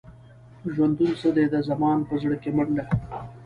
ژوندون څه دی؟ د زمان په زړه کې منډه.